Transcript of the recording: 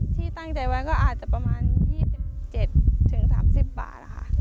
ที่ตั้งใจไว้ก็อาจจะประมาณ๒๗๓๐บาทค่ะ